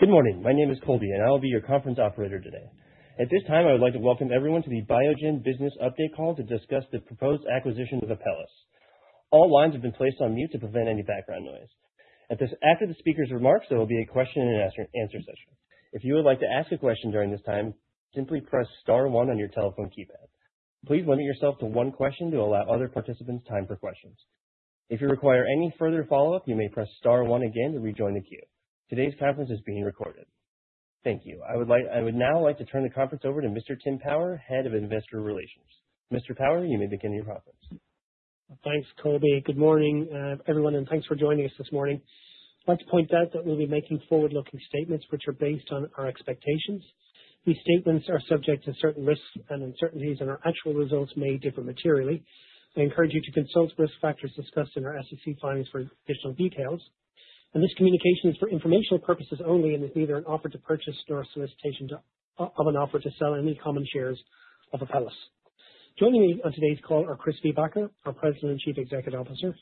Good morning. My name is Colby, and I will be your conference operator today. At this time, I would like to welcome everyone to the Biogen Business Update Call to discuss the proposed acquisition of Apellis. All lines have been placed on mute to prevent any background noise. After the speakers' remarks, there will be a question and answer session. If you would like to ask a question during this time, simply press star one on your telephone keypad. Please limit yourself to one question to allow other participants time for questions. If you require any further follow-up, you may press star one again to rejoin the queue. Today's conference is being recorded. Thank you. I would now like to turn the conference over to Mr. Tim Power, Head of Investor Relations. Mr. Power, you may begin your conference. Thanks, Colby. Good morning, everyone, thanks for joining us this morning. I'd like to point out that we'll be making forward-looking statements, which are based on our expectations. These statements are subject to certain risks and uncertainties, our actual results may differ materially. I encourage you to consult risk factors discussed in our SEC filings for additional details. This communication is for informational purposes only and is neither an offer to purchase nor a solicitation of an offer to sell any common shares of Apellis. Joining me on today's call are Chris Viehbacher, our President and Chief Executive Officer,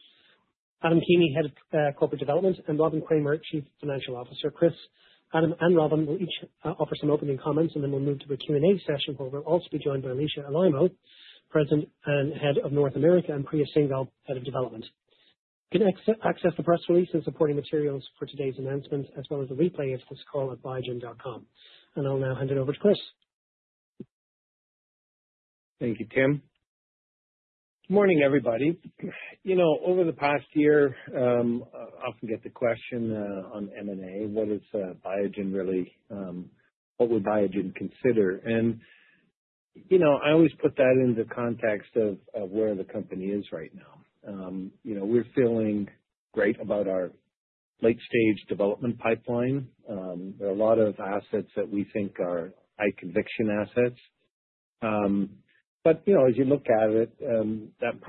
Adam Keeney, Head of Corporate Development, and Robin Kramer, Chief Financial Officer. Chris, Adam, and Robin will each offer some opening comments, then we'll move to the Q&A session, where we'll also be joined by Alisha Alaimo, President and Head of North America, and Priya Singhal, Head of Development. You can access the press release and supporting materials for today's announcement, as well as the replay of this call, at biogen.com. I'll now hand it over to Chris. Thank you, Tim. Morning, everybody. Over the past year, I often get the question on M&A, what would Biogen consider? I always put that into context of where the company is right now. We're feeling great about our late-stage development pipeline. There are a lot of assets that we think are high-conviction assets. As you look at it, that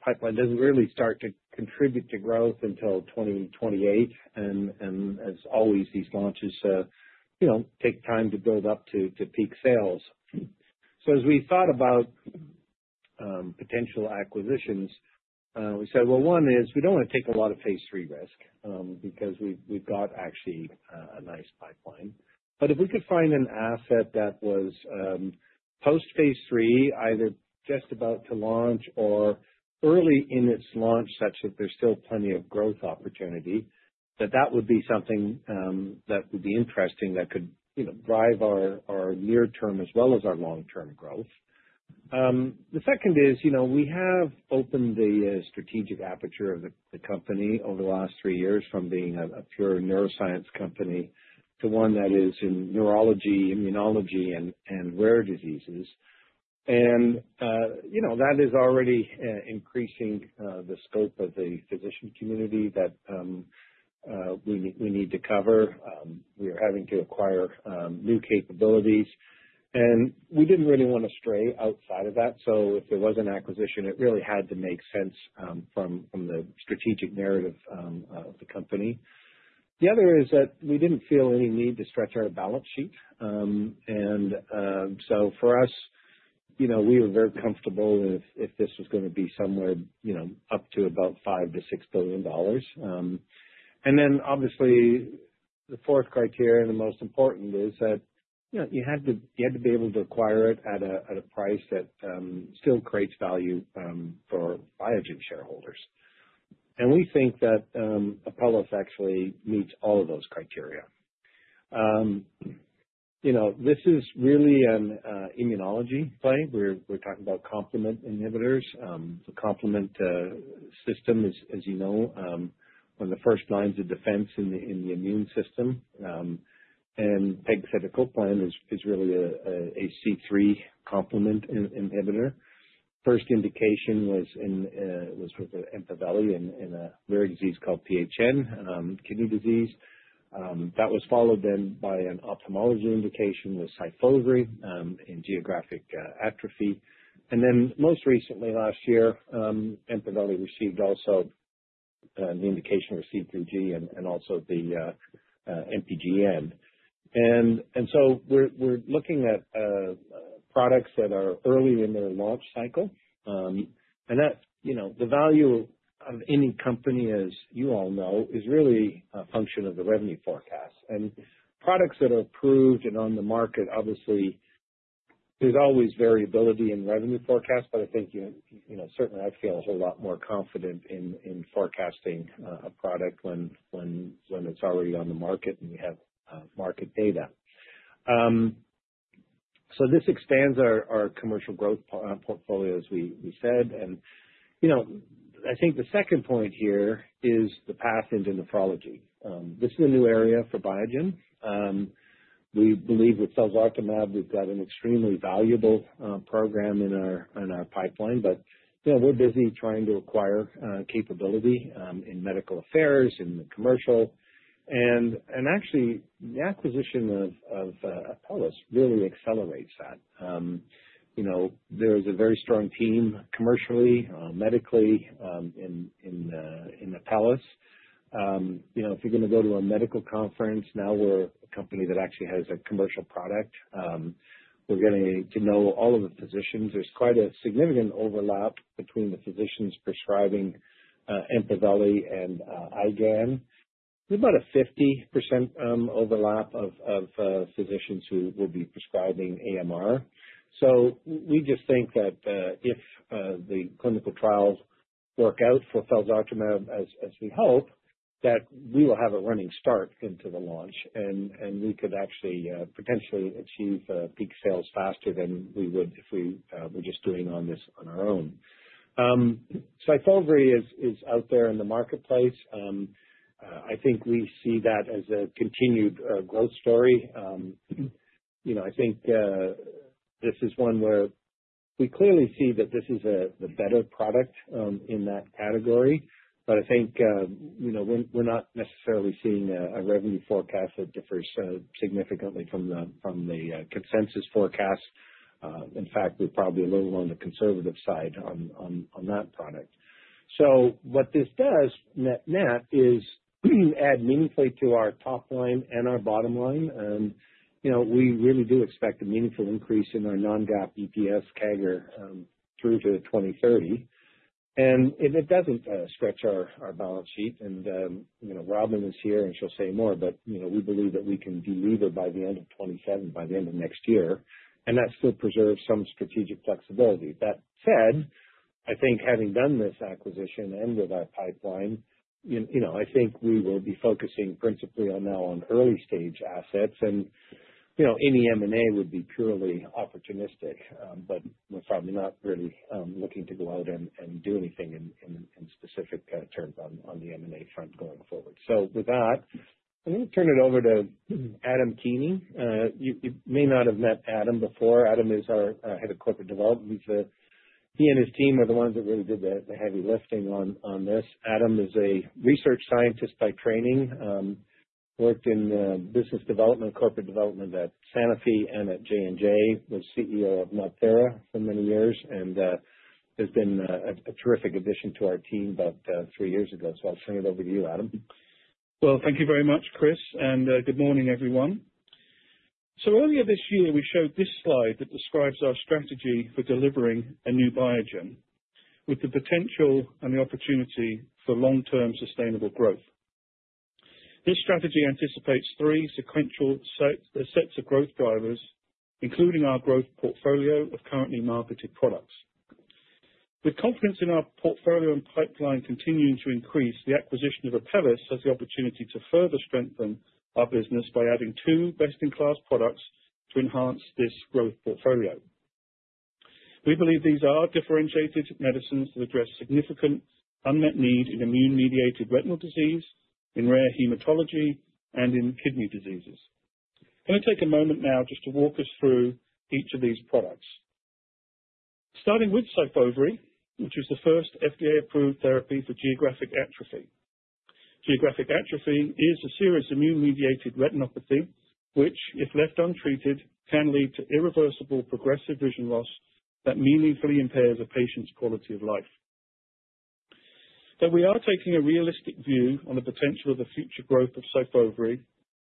pipeline doesn't really start to contribute to growth until 2028, as always, these launches take time to build up to peak sales. As we thought about potential acquisitions, we said, well, one is we don't want to take a lot of phase III risk because we've got actually a nice pipeline. If we could find an asset that was post phase III, either just about to launch or early in its launch such that there's still plenty of growth opportunity, that that would be something that would be interesting that could drive our near term as well as our long-term growth. The second is, we have opened the strategic aperture of the company over the last three years from being a pure neuroscience company to one that is in neurology, immunology, and rare diseases. That is already increasing the scope of the physician community that we need to cover. We are having to acquire new capabilities, and we didn't really want to stray outside of that. If there was an acquisition, it really had to make sense from the strategic narrative of the company. The other is that we didn't feel any need to stretch our balance sheet. For us, we were very comfortable if this was going to be somewhere up to about $5 billion-$6 billion. Obviously the fourth criteria, and the most important, is that you had to be able to acquire it at a price that still creates value for Biogen shareholders. We think that Apellis actually meets all of those criteria. This is really an immunology play. We're talking about complement inhibitors. The complement system, as you know, one of the first lines of defense in the immune system. pegcetacoplan is really a C3 complement inhibitor. First indication was with EMPAVELI in a rare disease called PNH, kidney disease. That was followed then by an ophthalmology indication with SYFOVRE in geographic atrophy. Most recently, last year, EMPAVELI received also an indication for C3G and also the MPGN. We're looking at products that are early in their launch cycle. The value of any company, as you all know, is really a function of the revenue forecast. Products that are approved and on the market, obviously, there's always variability in revenue forecast, but I think certainly I'd feel a whole lot more confident in forecasting a product when it's already on the market and we have market data. This expands our commercial growth portfolio, as we said. I think the second point here is the path into nephrology. This is a new area for Biogen. We believe with felzartamab, we've got an extremely valuable program in our pipeline, but we're busy trying to acquire capability in medical affairs, in the commercial. Actually, the acquisition of Apellis really accelerates that. There is a very strong team commercially, medically in Apellis. If you're going to go to a medical conference, now we're company that actually has a commercial product. We're getting to know all of the physicians. There's quite a significant overlap between the physicians prescribing EMPAVELI and IgAN. There's about a 50% overlap of physicians who will be prescribing AMR. We just think that if the clinical trials work out for felzartamab as we hope, that we will have a running start into the launch and we could actually potentially achieve peak sales faster than we would if we were just doing on this on our own. Farxiga is out there in the marketplace. I think we see that as a continued growth story. I think this is one where we clearly see that this is the better product in that category. I think we're not necessarily seeing a revenue forecast that differs significantly from the consensus forecast. In fact, we're probably a little on the conservative side on that product. What this does net is add meaningfully to our top line and our bottom line. We really do expect a meaningful increase in our non-GAAP EPS CAGR through to 2030. It doesn't stretch our balance sheet. Robin is here and she'll say more, but we believe that we can delever by the end of the next year, and that still preserves some strategic flexibility. That said, I think having done this acquisition and with our pipeline, I think we will be focusing principally on now on early-stage assets and any M&A would be purely opportunistic. We're probably not really looking to go out and do anything in specific terms on the M&A front going forward. With that, I'm going to turn it over to Adam Keeney. You may not have met Adam before. Adam is our Head of Corporate Development. He and his team are the ones that really did the heavy lifting on this. Adam is a research scientist by training. Worked in business development, corporate development at Sanofi and at J&J, was CEO of Natera for many years, and has been a terrific addition to our team about three years ago. I'll turn it over to you, Adam. Well, thank you very much, Chris, and good morning, everyone. Earlier this year, we showed this slide that describes our strategy for delivering a new Biogen with the potential and the opportunity for long-term sustainable growth. This strategy anticipates three sequential sets of growth drivers, including our growth portfolio of currently marketed products. With confidence in our portfolio and pipeline continuing to increase, the acquisition of Apellis has the opportunity to further strengthen our business by adding two best-in-class products to enhance this growth portfolio. We believe these are differentiated medicines that address significant unmet need in immune-mediated retinal disease, in rare hematology, and in kidney diseases. I'm going to take a moment now just to walk us through each of these products. Starting with SYFOVRE, which is the first FDA-approved therapy for geographic atrophy. Geographic atrophy is a serious immune-mediated retinopathy, which, if left untreated, can lead to irreversible progressive vision loss that meaningfully impairs a patient's quality of life. Though we are taking a realistic view on the potential of the future growth of SYFOVRE,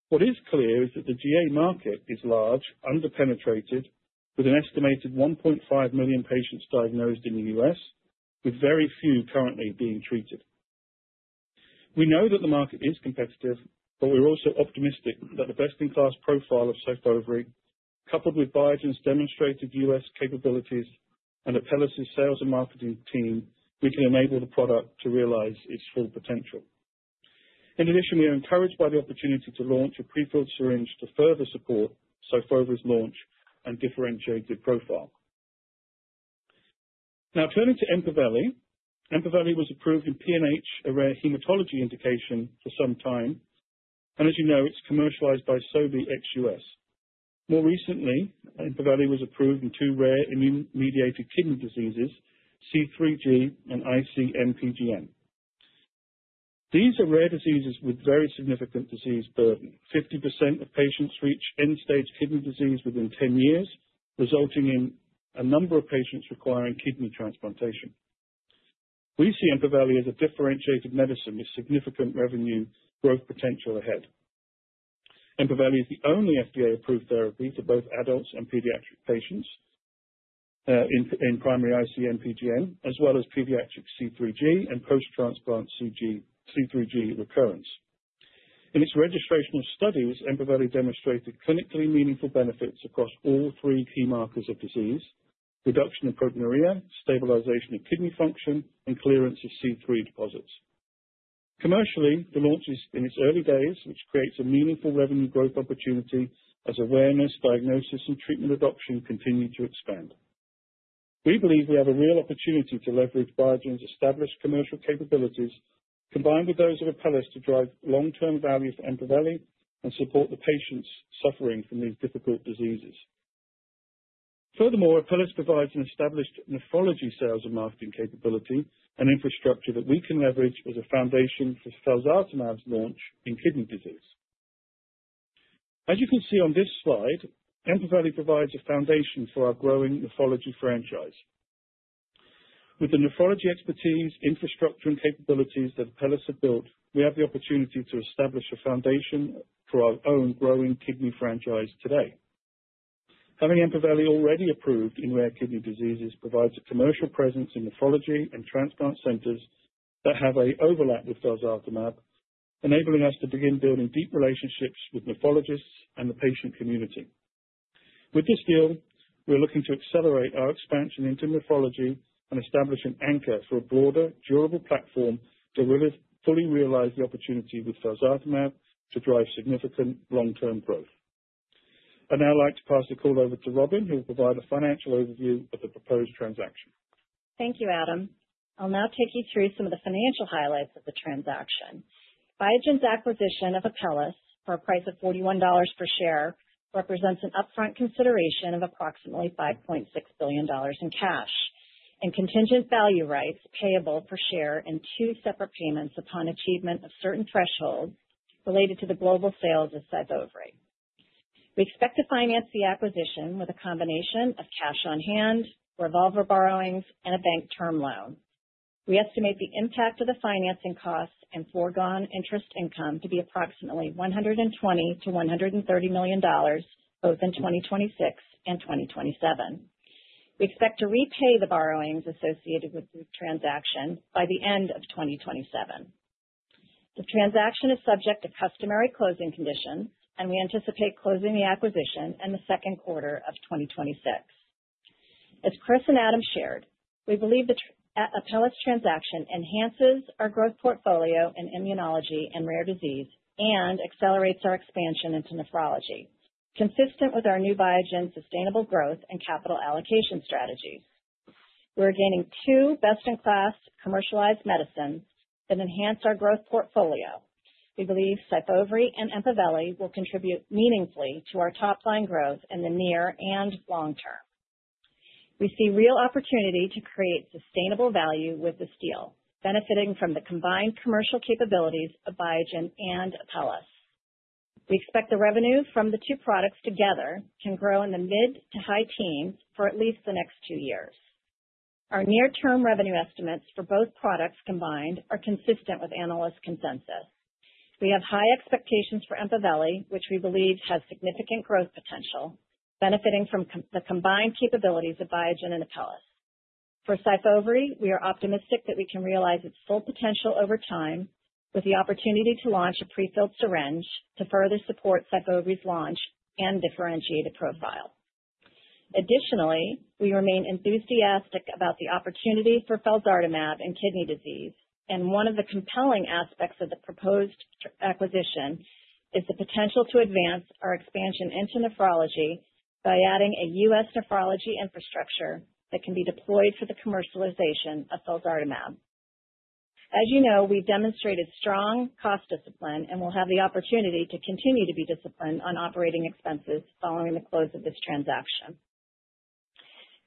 what is clear is that the GA market is large, under-penetrated, with an estimated 1.5 million patients diagnosed in the U.S., with very few currently being treated. We know that the market is competitive, but we're also optimistic that the best-in-class profile of SYFOVRE, coupled with Biogen's demonstrated U.S. capabilities and Apellis' sales and marketing team, we can enable the product to realize its full potential. In addition, we are encouraged by the opportunity to launch a prefilled syringe to further support SYFOVRE's launch and differentiated profile. Now, turning to EMPAVELI. EMPAVELI was approved in PNH, a rare hematology indication, for some time. As you know, it's commercialized by Sobi ex-U.S. More recently, EMPAVELI was approved in two rare immune-mediated kidney diseases, C3G and IC-MPGN. These are rare diseases with very significant disease burden. 50% of patients reach end-stage kidney disease within 10 years, resulting in a number of patients requiring kidney transplantation. We see EMPAVELI as a differentiated medicine with significant revenue growth potential ahead. EMPAVELI is the only FDA-approved therapy for both adults and pediatric patients, in primary IC-MPGN as well as pediatric C3G and post-transplant C3G recurrence. In its registrational studies, EMPAVELI demonstrated clinically meaningful benefits across all three key markers of disease, reduction of proteinuria, stabilization of kidney function, and clearance of C3 deposits. Commercially, the launch is in its early days, which creates a meaningful revenue growth opportunity as awareness, diagnosis, and treatment adoption continue to expand. We believe we have a real opportunity to leverage Biogen's established commercial capabilities, combined with those of Apellis, to drive long-term value for EMPAVELI and support the patients suffering from these difficult diseases. Furthermore, Apellis provides an established nephrology sales and marketing capability and infrastructure that we can leverage as a foundation for felzartamab's launch in kidney disease. As you can see on this slide, EMPAVELI provides a foundation for our growing nephrology franchise. With the nephrology expertise, infrastructure, and capabilities that Apellis have built, we have the opportunity to establish a foundation for our own growing kidney franchise today. Having EMPAVELI already approved in rare kidney diseases provides a commercial presence in nephrology and transplant centers that have an overlap with felzartamab, enabling us to begin building deep relationships with nephrologists and the patient community. With this deal, we are looking to accelerate our expansion into nephrology and establish an anchor for a broader, durable platform to fully realize the opportunity with felzartamab to drive significant long-term growth. I'd now like to pass the call over to Robin, who will provide a financial overview of the proposed transaction. Thank you, Adam. I'll now take you through some of the financial highlights of the transaction. Biogen's acquisition of Apellis for a price of $41 per share represents an upfront consideration of approximately $5.6 billion in cash and contingent value rights payable per share in two separate payments upon achievement of certain thresholds related to the global sales of SYFOVRE. We expect to finance the acquisition with a combination of cash on hand, revolver borrowings, and a bank term loan. We estimate the impact of the financing costs and foregone interest income to be approximately $120 million-$130 million, both in 2026 and 2027. We expect to repay the borrowings associated with this transaction by the end of 2027. The transaction is subject to customary closing conditions, and we anticipate closing the acquisition in the second quarter of 2026. As Chris and Adam shared, we believe the Apellis transaction enhances our growth portfolio in immunology and rare disease and accelerates our expansion into nephrology, consistent with our new Biogen sustainable growth and capital allocation strategy. We're gaining two best-in-class commercialized medicines that enhance our growth portfolio. We believe SYFOVRE and EMPAVELI will contribute meaningfully to our top-line growth in the near and long term. We see real opportunity to create sustainable value with this deal, benefiting from the combined commercial capabilities of Biogen and Apellis. We expect the revenue from the two products together can grow in the mid-to-high teens for at least the next two years. Our near-term revenue estimates for both products combined are consistent with analyst consensus. We have high expectations for EMPAVELI, which we believe has significant growth potential, benefiting from the combined capabilities of Biogen and Apellis. For SYFOVRE, we are optimistic that we can realize its full potential over time with the opportunity to launch a prefilled syringe to further support SYFOVRE's launch and differentiate a profile. Additionally, we remain enthusiastic about the opportunity for felzartamab in kidney disease, and one of the compelling aspects of the proposed acquisition is the potential to advance our expansion into nephrology by adding a U.S. nephrology infrastructure that can be deployed for the commercialization of felzartamab. As you know, we've demonstrated strong cost discipline and will have the opportunity to continue to be disciplined on operating expenses following the close of this transaction.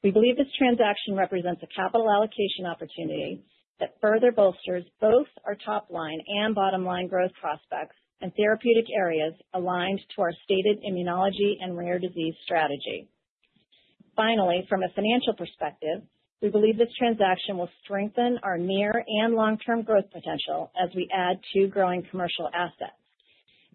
We believe this transaction represents a capital allocation opportunity that further bolsters both our top-line and bottom-line growth prospects in therapeutic areas aligned to our stated immunology and rare disease strategy. Finally, from a financial perspective, we believe this transaction will strengthen our near and long-term growth potential as we add two growing commercial assets.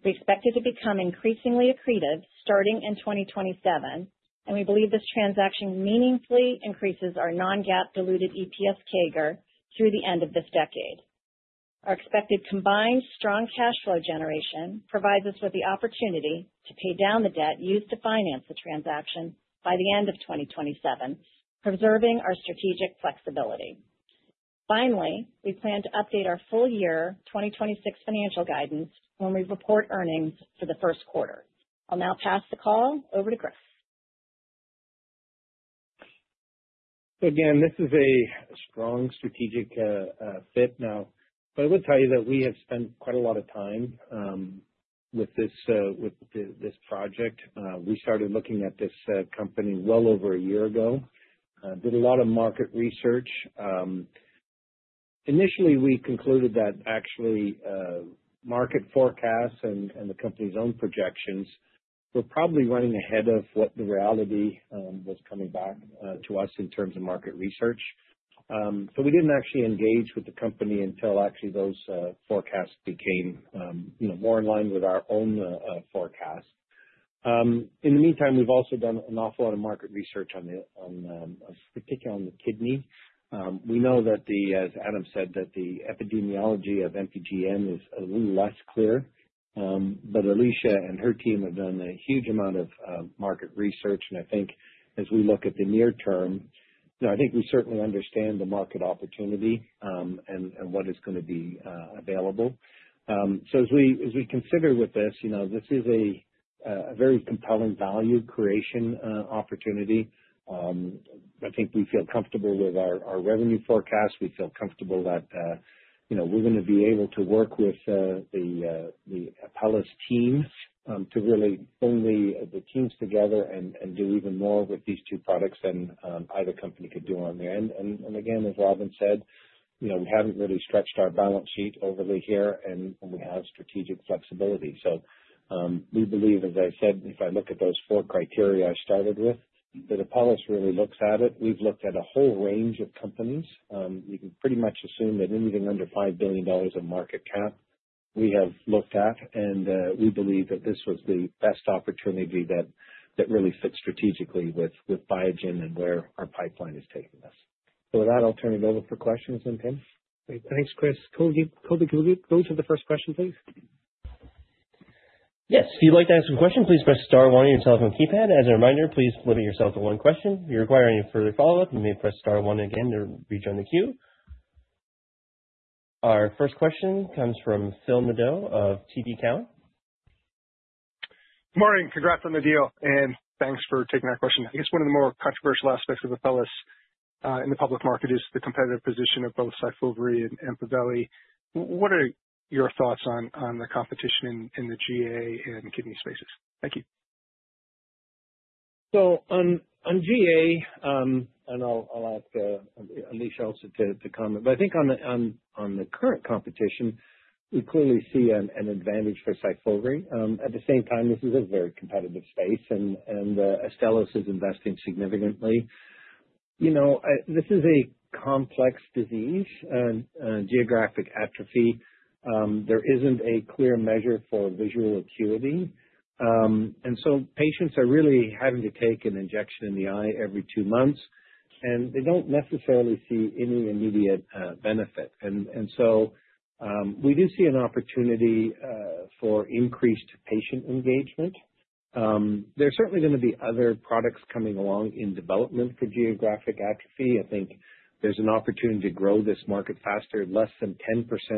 We expect it to become increasingly accretive starting in 2027, and we believe this transaction meaningfully increases our non-GAAP diluted EPS CAGR through the end of this decade. Our expected combined strong cash flow generation provides us with the opportunity to pay down the debt used to finance the transaction by the end of 2027, preserving our strategic flexibility. Finally, we plan to update our full year 2026 financial guidance when we report earnings for the first quarter. I'll now pass the call over to Chris. Again, this is a strong strategic fit now. I will tell you that we have spent quite a lot of time with this project. We started looking at this company well over a year ago. Did a lot of market research. Initially, we concluded that actually, market forecasts and the company's own projections were probably running ahead of what the reality was coming back to us in terms of market research. We didn't actually engage with the company until actually those forecasts became more in line with our own forecasts. In the meantime, we've also done an awful lot of market research, particularly on the kidney. We know that the, as Adam said, that the epidemiology of MPGN is a little less clear. Alisha and her team have done a huge amount of market research, and I think as we look at the near term, I think we certainly understand the market opportunity, and what is going to be available. As we consider with this is a very compelling value creation opportunity. I think we feel comfortable with our revenue forecast. We feel comfortable that we're going to be able to work with the Apellis team to really bring the teams together and do even more with these two products than either company could do on their end. Again, as Robin said, we haven't really stretched our balance sheet overly here, and we have strategic flexibility. We believe, as I said, if I look at those four criteria I started with, that Apellis really looks at it. We've looked at a whole range of companies. You can pretty much assume that anything under $5 billion of market cap, we have looked at, and we believe that this was the best opportunity that really fit strategically with Biogen and where our pipeline is taking us. With that, I'll turn it over for questions then, Tim. Great. Thanks, Chris. Colby, can we go to the first question, please? Yes. If you'd like to ask a question, please press *1 on your telephone keypad. As a reminder, please limit yourself to one question. If you require any further follow-up, you may press *1 again to rejoin the queue. Our first question comes from Phil Nadeau of TD Cowen. Morning. Congrats on the deal. Thanks for taking our question. I guess one of the more controversial aspects of Apellis in the public market is the competitive position of both SYFOVRE and EMPAVELI. What are your thoughts on the competition in the GA and kidney spaces? Thank you. On GA, I'll ask Alicia also to comment, but I think on the current competition, we clearly see an advantage for SYFOVRE. At the same time, this is a very competitive space. Astellas is investing significantly. This is a complex disease, geographic atrophy. There isn't a clear measure for visual acuity. Patients are really having to take an injection in the eye every two months, and they don't necessarily see any immediate benefit. We do see an opportunity for increased patient engagement. There's certainly going to be other products coming along in development for geographic atrophy. I think there's an opportunity to grow this market faster. Less than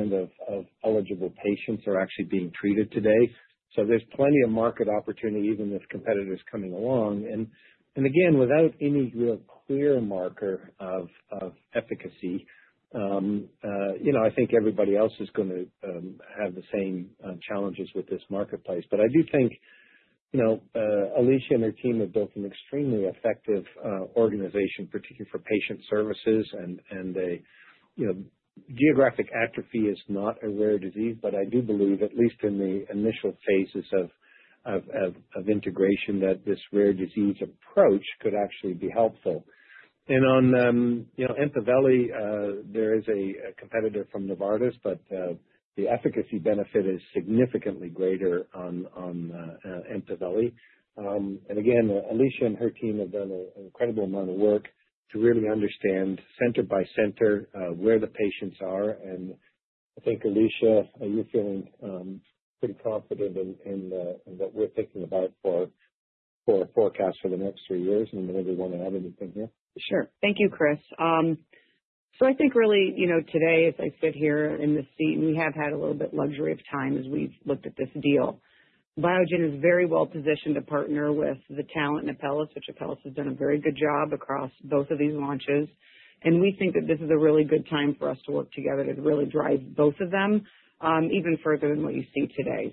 10% of eligible patients are actually being treated today. There's plenty of market opportunity, even with competitors coming along. Again, without any real clear marker of efficacy, I think everybody else is going to have the same challenges with this marketplace. I do think Alicia and her team have built an extremely effective organization, particularly for patient services. Geographic atrophy is not a rare disease, but I do believe, at least in the initial phases of integration, that this rare disease approach could actually be helpful. On EMPAVELI, there is a competitor from Novartis, but the efficacy benefit is significantly greater on EMPAVELI. Again, Alicia and her team have done an incredible amount of work to really understand center by center where the patients are. I think, Alicia, are you feeling pretty confident in what we're thinking about for our forecast for the next three years? Maybe you want to add anything here? Sure. Thank you, Chris. I think really, today as I sit here in this seat, we have had a little bit luxury of time as we've looked at this deal. Biogen is very well-positioned to partner with the talent in Apellis, which Apellis has done a very good job across both of these launches. We think that this is a really good time for us to work together to really drive both of them even further than what you see today.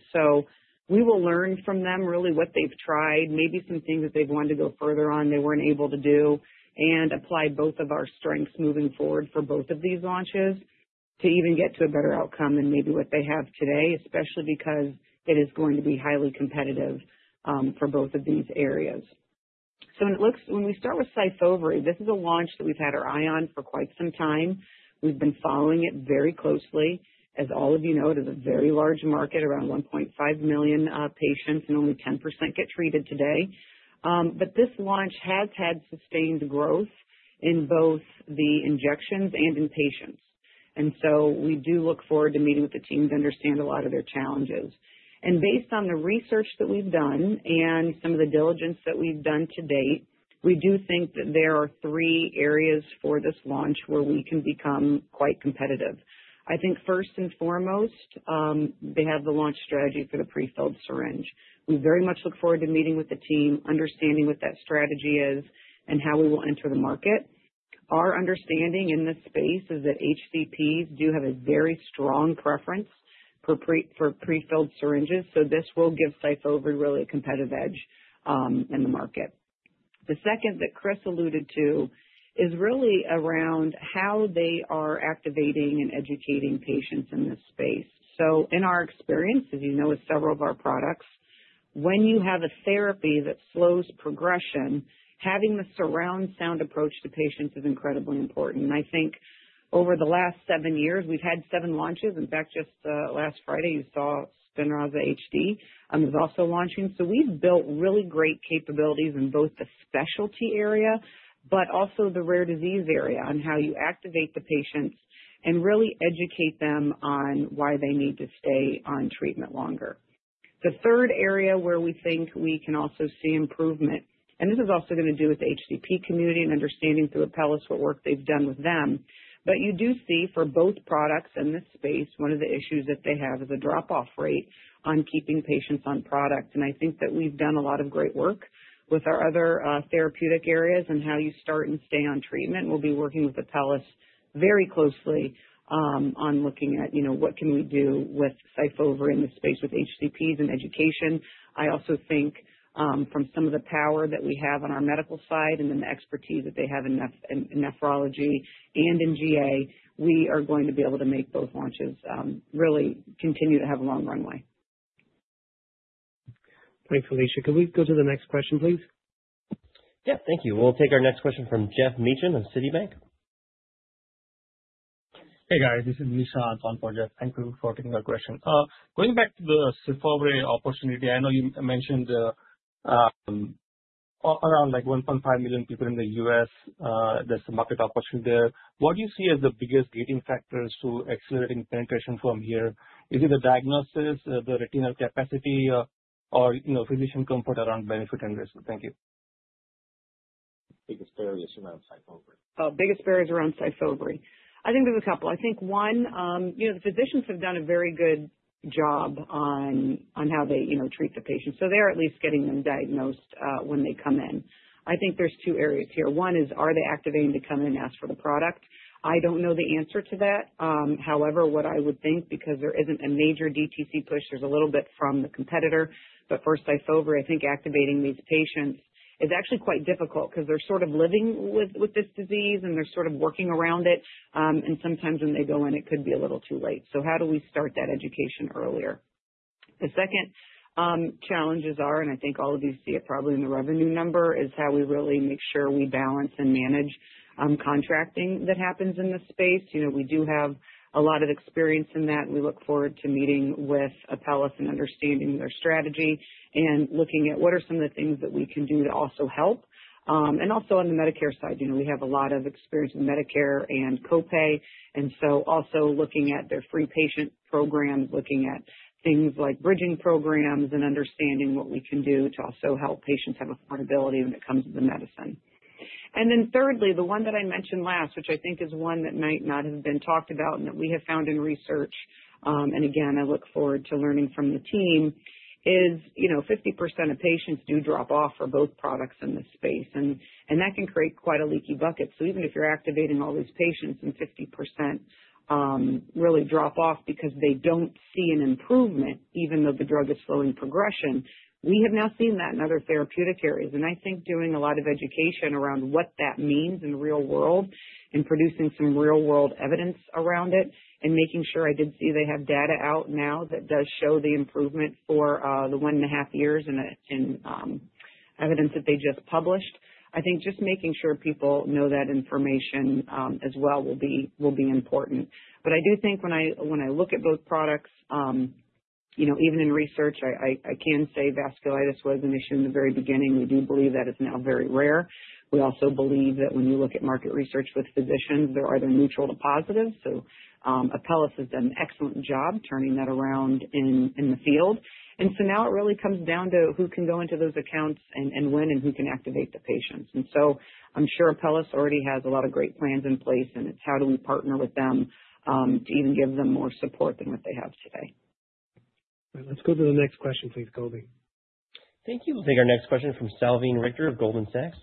We will learn from them really what they've tried, maybe some things that they've wanted to go further on they weren't able to do, apply both of our strengths moving forward for both of these launches to even get to a better outcome than maybe what they have today, especially because it is going to be highly competitive for both of these areas. When we start with SYFOVRE, this is a launch that we've had our eye on for quite some time. We've been following it very closely. As all of you know, it is a very large market, around 1.5 million patients, and only 10% get treated today. This launch has had sustained growth in both the injections and in patients. We do look forward to meeting with the teams to understand a lot of their challenges. Based on the research that we've done and some of the diligence that we've done to date, we do think that there are three areas for this launch where we can become quite competitive. I think first and foremost, they have the launch strategy for the prefilled syringe. We very much look forward to meeting with the team, understanding what that strategy is, and how we will enter the market. Our understanding in this space is that HCPs do have a very strong preference for prefilled syringes, so this will give SYFOVRE really a competitive edge in the market. The second that Chris alluded to is really around how they are activating and educating patients in this space. In our experience, as you know, with several of our products, when you have a therapy that slows progression, having the surround sound approach to patients is incredibly important. I think over the last seven years, we've had seven launches. In fact, just last Friday, you saw SPINRAZA HD was also launching. We've built really great capabilities in both the specialty area, but also the rare disease area on how you activate the patients and really educate them on why they need to stay on treatment longer. The third area where we think we can also see improvement, and this is also going to do with HCP community and understanding through Apellis what work they've done with them. You do see for both products in this space, one of the issues that they have is a drop-off rate on keeping patients on product. I think that we've done a lot of great work with our other therapeutic areas on how you start and stay on treatment. We'll be working with Apellis very closely on looking at what can we do with SYFOVRE in the space with HCPs and education. I also think from some of the power that we have on our medical side and then the expertise that they have in nephrology and in GA, we are going to be able to make both launches really continue to have a long runway. Thanks, Alisha. Could we go to the next question, please? Yeah, thank you. We'll take our next question from Geoff Meacham of Citi. Hey, guys. This is Nishant on for Geoff. Thank you for taking our question. Going back to the SYFOVRE opportunity, I know you mentioned around 1.5 million people in the U.S. There's a market opportunity there. What do you see as the biggest gating factors to accelerating penetration from here? Is it the diagnosis, the retinal capacity, or physician comfort around benefit and risk? Thank you. Biggest barriers around SYFOVRE. Biggest barriers around SYFOVRE. I think there's a couple. I think one, the physicians have done a very good job on how they treat the patients. They're at least getting them diagnosed when they come in. I think there's two areas here. One is, are they activating to come in and ask for the product? I don't know the answer to that. However, what I would think, because there isn't a major DTC push, there's a little bit from the competitor. For SYFOVRE, I think activating these patients is actually quite difficult because they're sort of living with this disease, and they're sort of working around it. Sometimes when they go in, it could be a little too late. How do we start that education earlier? The second challenges are, I think all of you see it probably in the revenue number, is how we really make sure we balance and manage contracting that happens in this space. We do have a lot of experience in that. We look forward to meeting with Apellis and understanding their strategy and looking at what are some of the things that we can do to also help. Also on the Medicare side, we have a lot of experience in Medicare and co-pay, also looking at their free patient programs, looking at things like bridging programs and understanding what we can do to also help patients have affordability when it comes to the medicine. Thirdly, the one that I mentioned last, which I think is one that might not have been talked about and that we have found in research, again, I look forward to learning from the team, is 50% of patients do drop off for both products in this space, that can create quite a leaky bucket. Even if you're activating all these patients, 50% really drop off because they don't see an improvement, even though the drug is slowing progression. We have now seen that in other therapeutic areas, I think doing a lot of education around what that means in the real world and producing some real-world evidence around it and making sure I did see they have data out now that does show the improvement for the one and a half years in evidence that they just published. I think just making sure people know that information as well will be important. I do think when I look at both products, even in research, I can say vasculitis was an issue in the very beginning. We do believe that is now very rare. We also believe that when you look at market research with physicians, they're either neutral to positive. Apellis has done an excellent job turning that around in the field. Now it really comes down to who can go into those accounts and when and who can activate the patients. I'm sure Apellis already has a lot of great plans in place, and it's how do we partner with them to even give them more support than what they have today. Let's go to the next question, please, Colby. Thank you. We'll take our next question from Salveen Richter of Goldman Sachs.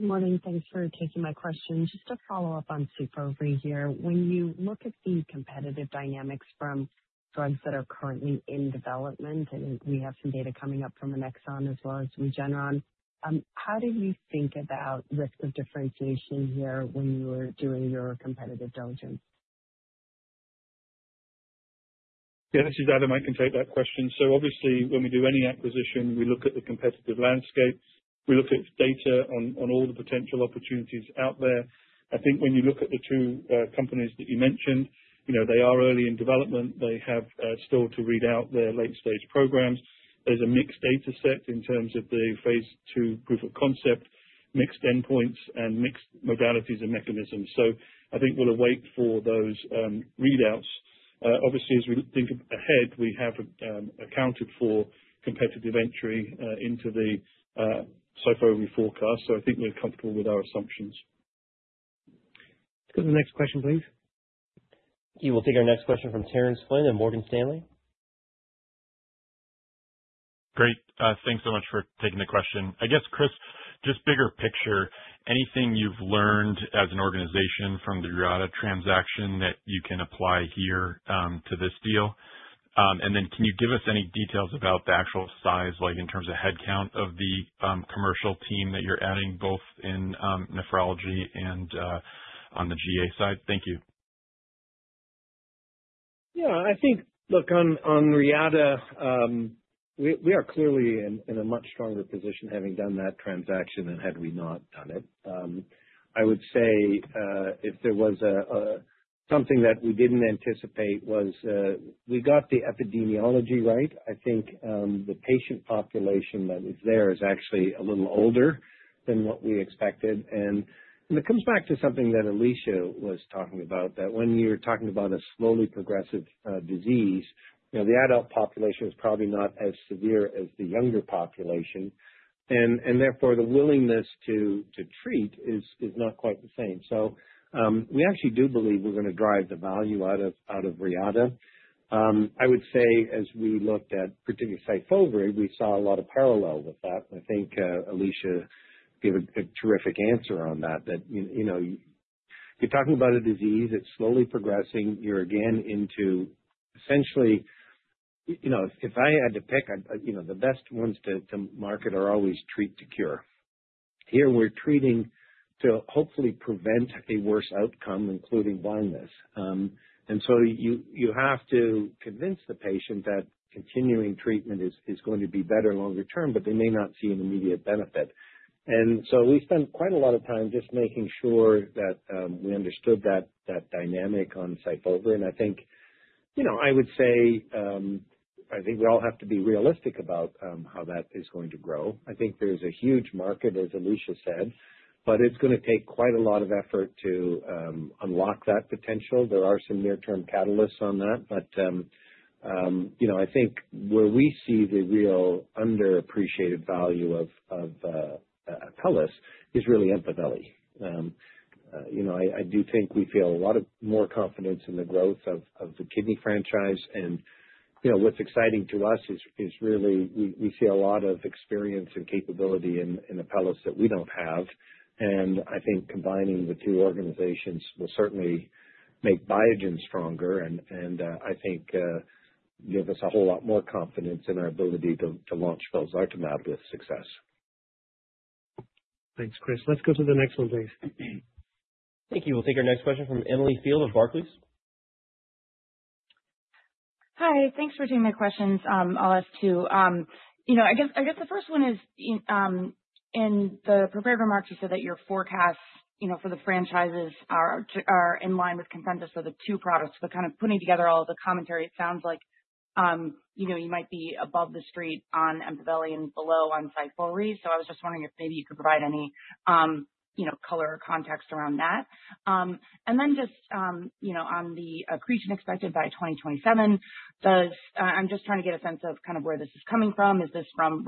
Morning. Thanks for taking my question. Just a follow-up on SYFOVRE here. When you look at the competitive dynamics from drugs that are currently in development, and we have some data coming up from Alexion as well as Regeneron, how did you think about risk of differentiation here when you were doing your competitive diligence? Yeah, this is Adam. I can take that question. Obviously, when we do any acquisition, we look at the competitive landscape. We look at data on all the potential opportunities out there. I think when you look at the two companies that you mentioned, they are early in development. They have still to read out their late-stage programs. There's a mixed data set in terms of the phase II proof of concept, mixed endpoints, and mixed modalities and mechanisms. I think we'll await for those readouts. Obviously, as we think ahead, we have accounted for competitive entry into the SYFOVRE forecast. I think we're comfortable with our assumptions. Let's go to the next question, please. We will take our next question from Terence Flynn at Morgan Stanley. Great. Thanks so much for taking the question. I guess, Chris, just bigger picture, anything you've learned as an organization from the Reata transaction that you can apply here to this deal? Then can you give us any details about the actual size, like in terms of head count of the commercial team that you're adding, both in nephrology and on the GA side? Thank you. Yeah, I think, look on Reata, we are clearly in a much stronger position having done that transaction than had we not done it. I would say if there was something that we didn't anticipate was we got the epidemiology right. I think the patient population that was there is actually a little older than what we expected. It comes back to something that Alicia was talking about, that when you're talking about a slowly progressive disease, the adult population is probably not as severe as the younger population, and therefore, the willingness to treat is not quite the same. We actually do believe we're going to drive the value out of Reata. I would say as we looked at, particularly SYFOVRE, we saw a lot of parallel with that. I think Alicia gave a terrific answer on that. You're talking about a disease that's slowly progressing. You're again into essentially If I had to pick, the best ones to market are always treat to cure. Here we're treating to hopefully prevent a worse outcome, including blindness. You have to convince the patient that continuing treatment is going to be better longer term, but they may not see an immediate benefit. We spent quite a lot of time just making sure that we understood that dynamic on SYFOVRE. I think we all have to be realistic about how that is going to grow. I think there's a huge market, as Alisha said, but it's going to take quite a lot of effort to unlock that potential. There are some near-term catalysts on that, but I think where we see the real underappreciated value of Apellis is really EMPAVELI. I do think we feel a lot more confidence in the growth of the kidney franchise, and what's exciting to us is really we see a lot of experience and capability in Apellis that we don't have, and I think combining the two organizations will certainly make Biogen stronger and I think give us a whole lot more confidence in our ability to launch felzartamab with success. Thanks, Chris. Let's go to the next one, please. Thank you. We'll take our next question from Emily Field of Barclays. Hi. Thanks for taking the questions. I'll ask two. I guess the first one is, in the prepared remarks, you said that your forecasts for the franchises are in line with consensus for the two products. Kind of putting together all of the commentary, it sounds like you might be above the street on EMPAVELI and below on SYFOVRE. I was just wondering if maybe you could provide any color or context around that. On the accretion expected by 2027, I'm just trying to get a sense of kind of where this is coming from. Is this from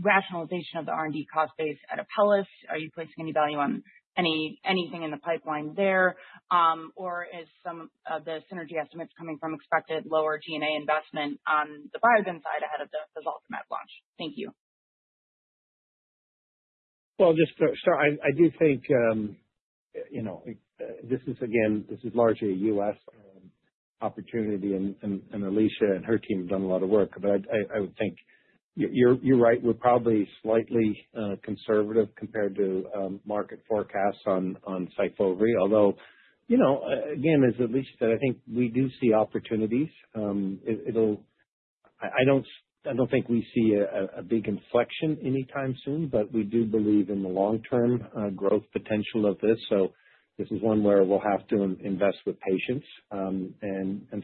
rationalization of the R&D cost base at Apellis? Are you placing any value on anything in the pipeline there? Is some of the synergy estimates coming from expected lower G&A investment on the Biogen side ahead of the felzartamab launch? Thank you. Just to start, I do think this is largely a U.S. opportunity, and Alecia and her team have done a lot of work. I would think you're right, we're probably slightly conservative compared to market forecasts on SYFOVRE. Again, as Alecia said, I think we do see opportunities. I don't think we see a big inflection anytime soon, but we do believe in the long-term growth potential of this. This is one where we'll have to invest with patience.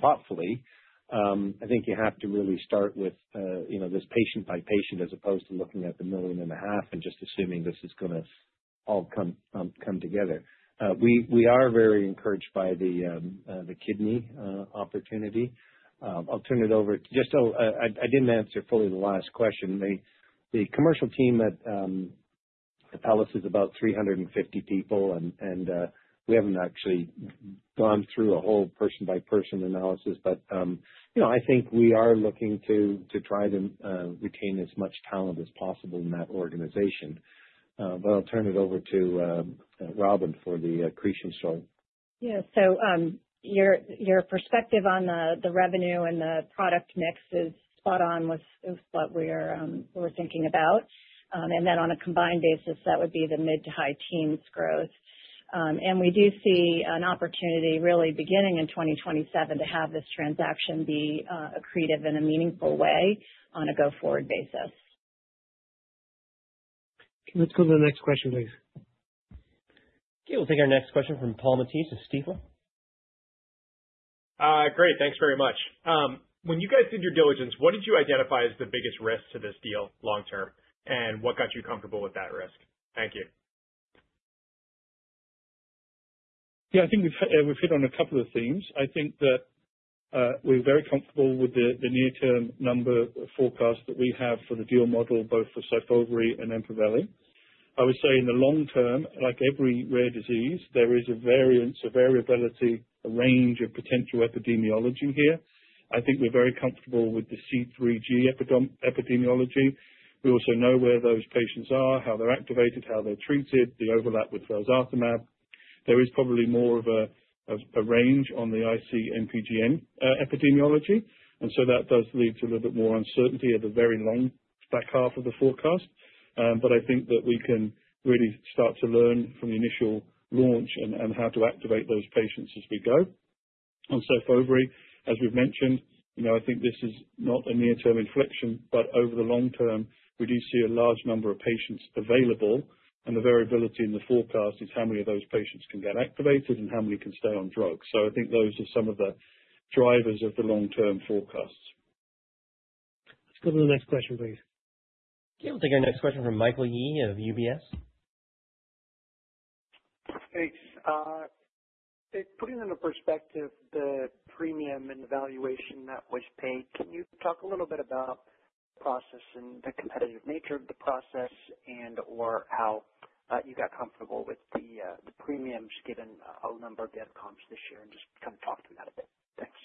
Thoughtfully, I think you have to really start with this patient by patient, as opposed to looking at the million and a half and just assuming this is going to all come together. We are very encouraged by the kidney opportunity. I'll turn it over. Just, I didn't answer fully the last question. The commercial team at Apellis is about 350 people, and we haven't actually gone through a whole person-by-person analysis. I think we are looking to try to retain as much talent as possible in that organization. I'll turn it over to Robyn for the accretion story. Yeah. Your perspective on the revenue and the product mix is spot on with what we're thinking about. On a combined basis, that would be the mid to high teens growth. We do see an opportunity really beginning in 2027 to have this transaction be accretive in a meaningful way on a go-forward basis. Okay, let's go to the next question, please. Okay, we'll take our next question from Paul Matteis of Stifel. Great. Thanks very much. When you guys did your diligence, what did you identify as the biggest risk to this deal long term, and what got you comfortable with that risk? Thank you. Yeah, I think we've hit on a couple of themes. I think that we're very comfortable with the near-term number forecast that we have for the dual model, both for SYFOVRE and EMPAVELI. I would say in the long term, like every rare disease, there is a variance, a variability, a range of potential epidemiology here. I think we're very comfortable with the C3G epidemiology. We also know where those patients are, how they're activated, how they're treated, the overlap with felzartamab. That does lead to a little bit more uncertainty at the very long back half of the forecast. I think that we can really start to learn from the initial launch and how to activate those patients as we go. On SYFOVRE, as we've mentioned, I think this is not a near-term inflection, but over the long term, we do see a large number of patients available, and the variability in the forecast is how many of those patients can get activated and how many can stay on drugs. I think those are some of the drivers of the long-term forecasts. Let's go to the next question, please. Okay, we'll take our next question from Michael Yee of UBS. Thanks. Putting into perspective the premium and the valuation that was paid, can you talk a little bit about the process and the competitive nature of the process and/or how you got comfortable with the premiums given a whole number of the comps this year, and just kind of talk through that a bit. Thanks.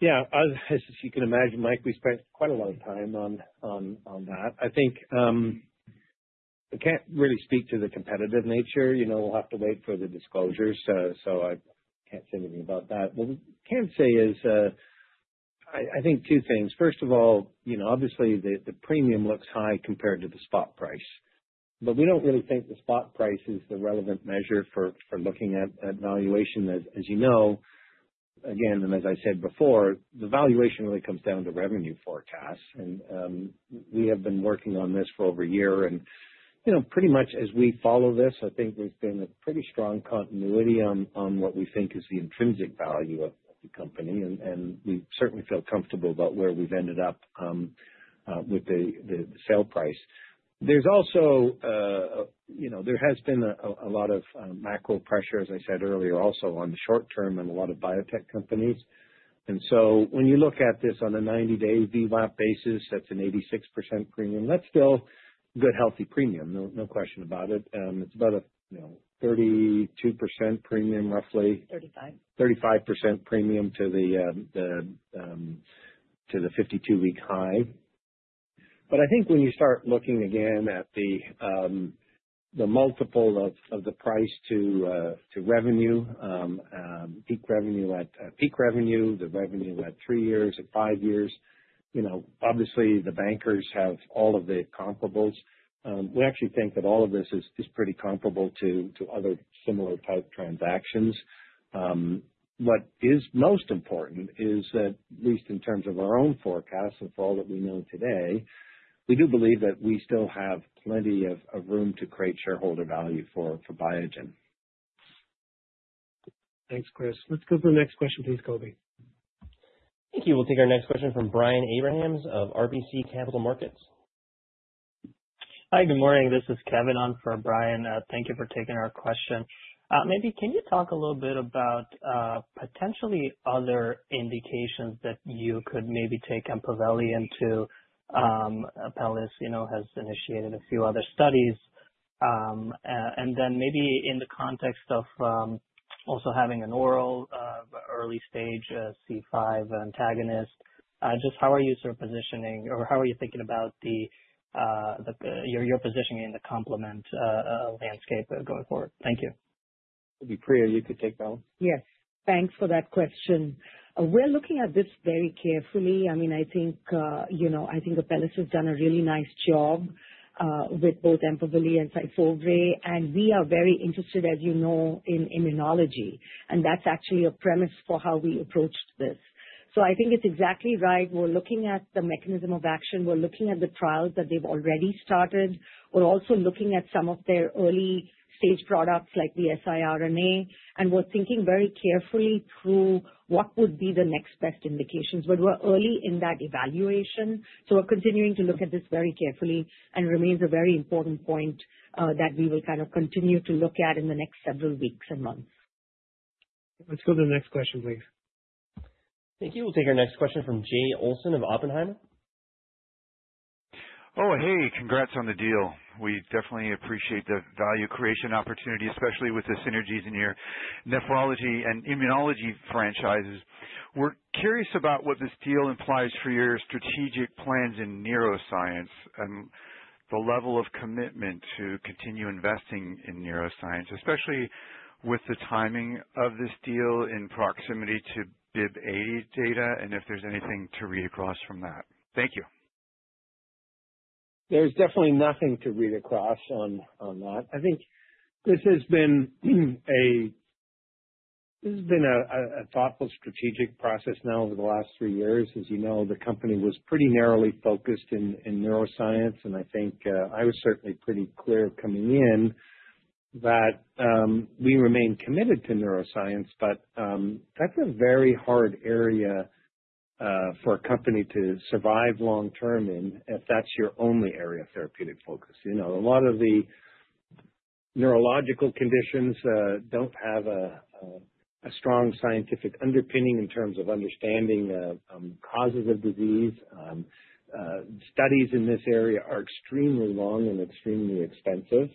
Yeah. As you can imagine, Mike, we spent quite a lot of time on that. I can't really speak to the competitive nature. We'll have to wait for the disclosures. I can't say anything about that. What we can say is two things. First of all, obviously, the premium looks high compared to the spot price. We don't really think the spot price is the relevant measure for looking at valuation. As you know, again, and as I said before, the valuation really comes down to revenue forecasts. We have been working on this for over a year and pretty much as we follow this, I think there's been a pretty strong continuity on what we think is the intrinsic value of the company, and we certainly feel comfortable about where we've ended up with the sale price. There has been a lot of macro pressure, as I said earlier, also on the short term in a lot of biotech companies. When you look at this on a 90-day VWAP basis, that's an 86% premium. That's still good, healthy premium. No question about it. It's about a 32% premium roughly. 35. 35% premium to the 52-week high. I think when you start looking again at the multiple of the price to revenue, at peak revenue, the revenue at three years, at five years, obviously, the bankers have all of the comparables. We actually think that all of this is pretty comparable to other similar-type transactions. What is most important is that at least in terms of our own forecast and for all that we know today, we do believe that we still have plenty of room to create shareholder value for Biogen. Thanks, Chris. Let's go to the next question please, Colby. Thank you. We'll take our next question from Brian Abrahams of RBC Capital Markets. Hi. Good morning. This is Kevin on for Brian. Thank you for taking our question. Maybe can you talk a little bit about potentially other indications that you could maybe take EMPAVELI into. Apellis has initiated a few other studies. Then maybe in the context of also having an oral early stage C5 antagonist, just how are you sort of positioning or how are you thinking about your positioning in the complement landscape going forward? Thank you. Priya, you could take that one. Yes. Thanks for that question. We're looking at this very carefully. I think Apellis has done a really nice job with both EMPAVELI and SYFOVRE. We are very interested, as you know, in immunology, and that's actually a premise for how we approached this. I think it's exactly right. We're looking at the mechanism of action. We're looking at the trials that they've already started. We're also looking at some of their early-stage products, like the siRNA, and we're thinking very carefully through what would be the next best indications. We're early in that evaluation, so we're continuing to look at this very carefully and remains a very important point that we will kind of continue to look at in the next several weeks and months. Let's go to the next question, please. Thank you. We'll take our next question from Jay Olson of Oppenheimer. Oh, hey. Congrats on the deal. We definitely appreciate the value creation opportunity, especially with the synergies in your nephrology and immunology franchises. We're curious about what this deal implies for your strategic plans in neuroscience and the level of commitment to continue investing in neuroscience, especially with the timing of this deal in proximity to BIIB080 data and if there's anything to read across from that. Thank you. There's definitely nothing to read across on that. I think this has been a thoughtful strategic process now over the last three years. As you know, the company was pretty narrowly focused in neuroscience, and I think I was certainly pretty clear coming in that we remain committed to neuroscience. That's a very hard area for a company to survive long-term in if that's your only area of therapeutic focus. A lot of the neurological conditions don't have a strong scientific underpinning in terms of understanding causes of disease. Studies in this area are extremely long and extremely expensive.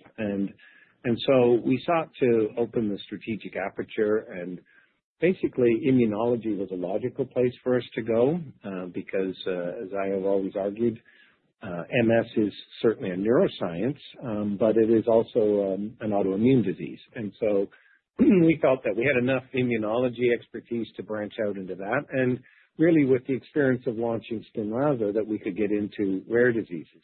We sought to open the strategic aperture, and basically, immunology was a logical place for us to go because as I have always argued, MS is certainly a neuroscience, but it is also an autoimmune disease. We felt that we had enough immunology expertise to branch out into that. Really with the experience of launching SPINRAZA, that we could get into rare diseases.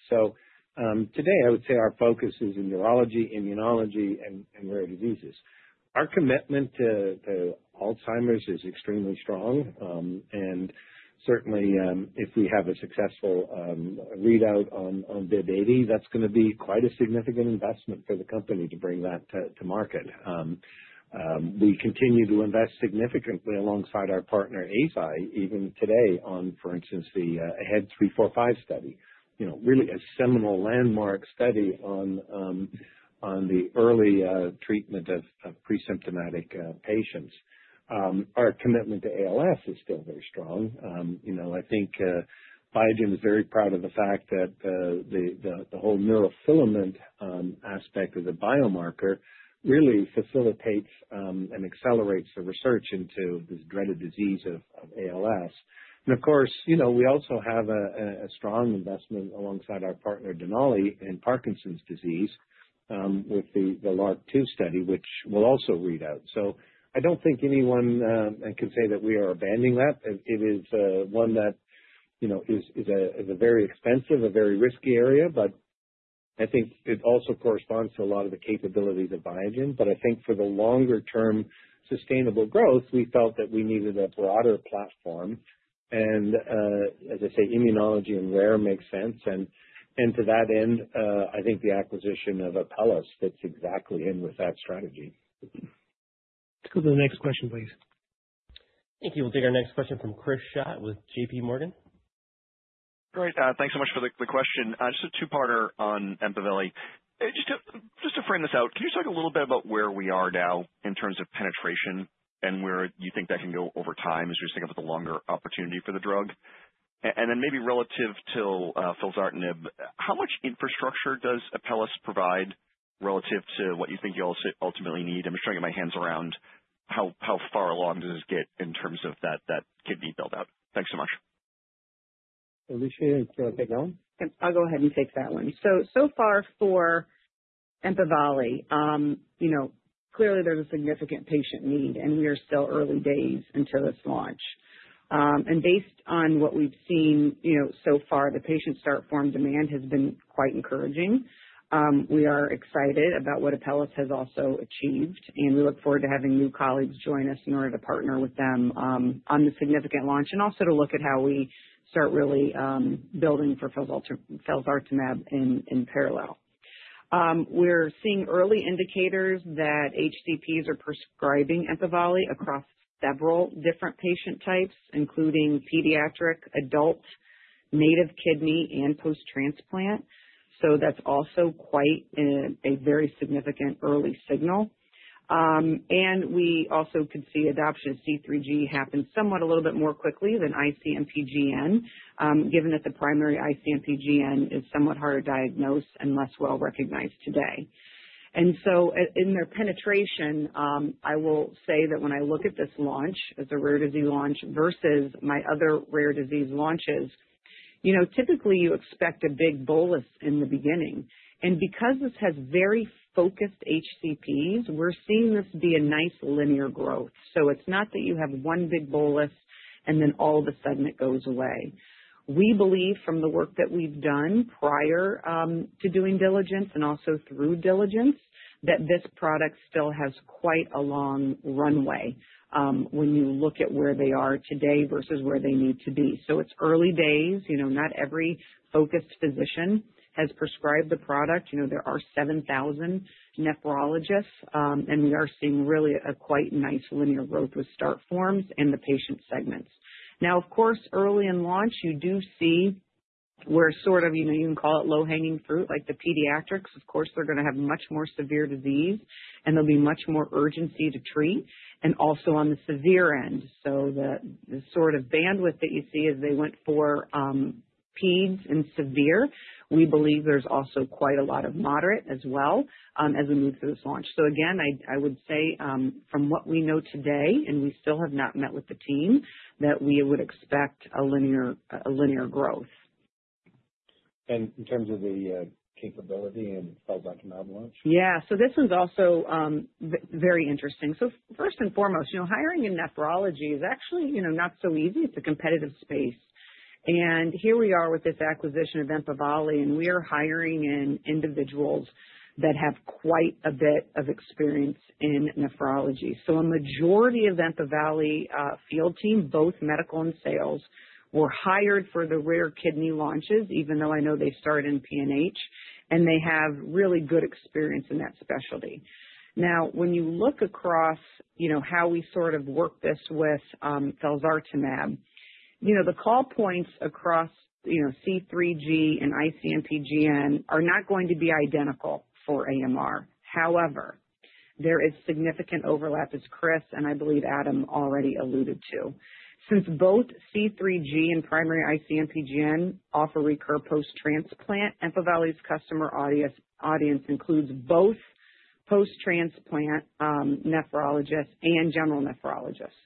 Today, I would say our focus is in neurology, immunology, and rare diseases. Our commitment to Alzheimer's is extremely strong. Certainly, if we have a successful readout on BIIB080, that's going to be quite a significant investment for the company to bring that to market. We continue to invest significantly alongside our partner, Eisai, even today on, for instance, the AHEAD 3-45 study. Really a seminal landmark study on the early treatment of pre-symptomatic patients. Our commitment to ALS is still very strong. I think Biogen is very proud of the fact that the whole neurofilament aspect of the biomarker really facilitates and accelerates the research into this dreaded disease of ALS. We also have a strong investment alongside our partner, Denali, in Parkinson's disease with the LRRK2 study, which will also read out. I don't think anyone can say that we are abandoning that. It is one that is a very expensive, a very risky area, but I think it also corresponds to a lot of the capabilities of Biogen. I think for the longer-term sustainable growth, we felt that we needed a broader platform. As I say, immunology and rare makes sense. To that end, I think the acquisition of Apellis fits exactly in with that strategy. Let's go to the next question, please. Thank you. We'll take our next question from Chris Schott with JPMorgan. Great. Thanks so much for the question. Just a two-parter on EMPAVELI. Just to frame this out, can you talk a little bit about where we are now in terms of penetration and where you think that can go over time as you're thinking about the longer opportunity for the drug? And then maybe relative to felzartamab, how much infrastructure does Apellis provide relative to what you think you'll ultimately need? I'm just trying to get my hands around how far along does this get in terms of that kidney build-out. Thanks so much. Alicia, take on? I'll go ahead and take that one. For EMPAVELI, clearly there's a significant patient need, and we are still early days into its launch. Based on what we've seen so far, the patient start form demand has been quite encouraging. We are excited about what Apellis has also achieved, we look forward to having new colleagues join us in order to partner with them on the significant launch and also to look at how we start really building for felzartamab in parallel. We're seeing early indicators that HCPs are prescribing EMPAVELI across several different patient types, including pediatric, adult, native kidney, and post-transplant. That's also quite a very significant early signal. We also could see adoption of C3G happen somewhat a little bit more quickly than IC-MPGN, given that the primary IC-MPGN is somewhat harder to diagnose and less well-recognized today. In their penetration, I will say that when I look at this launch as a rare disease launch versus my other rare disease launches. Typically, you expect a big bolus in the beginning. Because this has very focused HCPs, we're seeing this be a nice linear growth. It's not that you have one big bolus and then all of a sudden it goes away. We believe from the work that we've done prior to doing diligence and also through diligence, that this product still has quite a long runway, when you look at where they are today versus where they need to be. It's early days. Not every focused physician has prescribed the product. There are 7,000 nephrologists, and we are seeing really a quite nice linear growth with start forms in the patient segments. Of course, early in launch, you do see where, you can call it low-hanging fruit, like the pediatrics. Of course, they're going to have much more severe disease, and there'll be much more urgency to treat, and also on the severe end. The sort of bandwidth that you see is they went for peds and severe. We believe there's also quite a lot of moderate as well as we move through this launch. Again, I would say, from what we know today, and we still have not met with the team, that we would expect a linear growth. In terms of the capability and felzartamab launch? This one's also very interesting. First and foremost, hiring in nephrology is actually not so easy. It's a competitive space. Here we are with this acquisition of EMPAVELI, and we are hiring in individuals that have quite a bit of experience in nephrology. A majority of EMPAVELI field team, both medical and sales, were hired for the rare kidney launches, even though I know they started in PNH, and they have really good experience in that specialty. When you look across how we sort of work this with felzartamab. The call points across C3G and IC-MPGN are not going to be identical for AMR. However, there is significant overlap, as Chris, and I believe Adam, already alluded to. Since both C3G and primary IC-MPGN offer recur post-transplant, EMPAVELI's customer audience includes both post-transplant nephrologists and general nephrologists.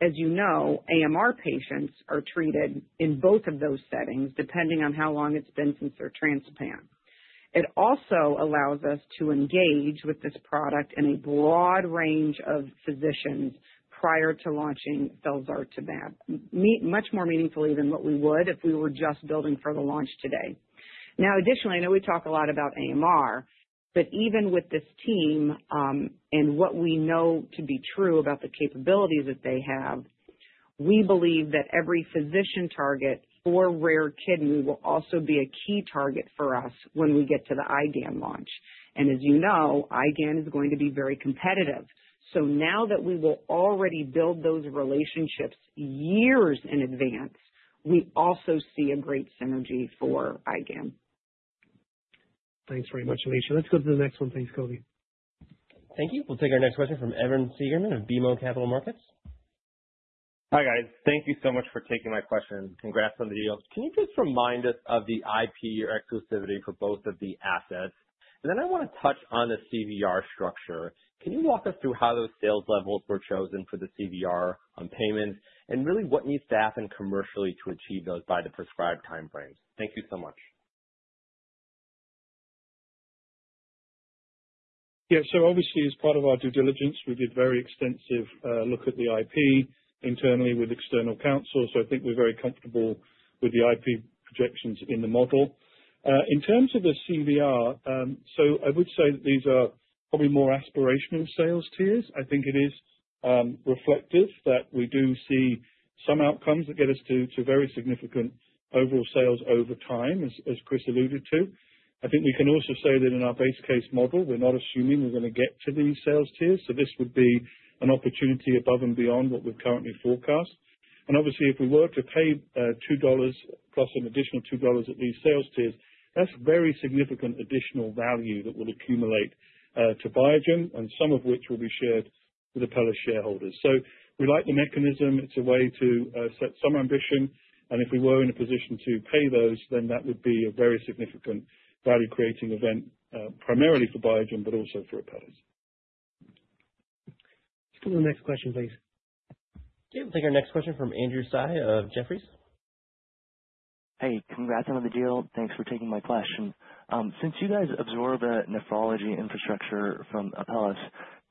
As you know, AMR patients are treated in both of those settings, depending on how long it's been since their transplant. It also allows us to engage with this product in a broad range of physicians prior to launching felzartamab, much more meaningfully than what we would if we were just building for the launch today. Additionally, I know we talk a lot about AMR, but even with this team, and what we know to be true about the capabilities that they have. We believe that every physician target for rare kidney will also be a key target for us when we get to the IgAN launch. As you know, IgAN is going to be very competitive. Now that we will already build those relationships years in advance, we also see a great synergy for IgAN. Thanks very much, Alecia. Let's go to the next one. Thanks, Colby. Thank you. We'll take our next question from Evan Seigerman of BMO Capital Markets. Hi, guys. Thank you so much for taking my question. Congrats on the deal. Can you just remind us of the IP or exclusivity for both of the assets? And then I want to touch on the CVR structure. Can you walk us through how those sales levels were chosen for the CVR on payments, and really what needs to happen commercially to achieve those by the prescribed time frames? Thank you so much. Yeah. Obviously, as part of our due diligence, we did a very extensive look at the IP internally with external counsel. I think we're very comfortable with the IP projections in the model. In terms of the CVR, I would say that these are probably more aspirational sales tiers. I think it is reflective that we do see some outcomes that get us to very significant overall sales over time, as Chris alluded to. I think we can also say that in our base case model, we're not assuming we're going to get to these sales tiers. This would be an opportunity above and beyond what we've currently forecast. Obviously, if we were to pay $2 plus an additional $2 at these sales tiers, that's very significant additional value that would accumulate to Biogen and some of which will be shared with Apellis shareholders. We like the mechanism. It's a way to set some ambition. If we were in a position to pay those, then that would be a very significant value-creating event, primarily for Biogen, but also for Apellis. Let's go to the next question, please. We'll take our next question from Andrew Tsai of Jefferies. Hey, congrats on the deal. Thanks for taking my question. Since you guys absorbed the nephrology infrastructure from Apellis,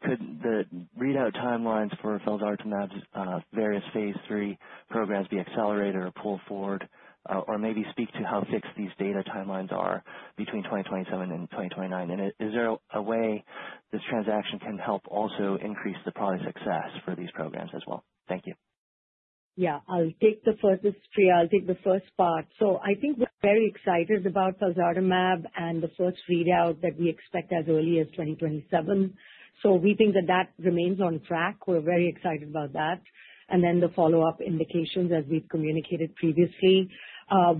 could the readout timelines for felzartamab's various phase III programs be accelerated or pulled forward? Or maybe speak to how fixed these data timelines are between 2027 and 2029. Is there a way this transaction can help also increase the product success for these programs as well? Thank you. This is Priya. I'll take the first part. I think we're very excited about felzartamab and the first readout that we expect as early as 2027. We think that that remains on track. We're very excited about that. The follow-up indications, as we've communicated previously.